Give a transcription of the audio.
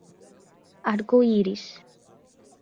Arco-Íris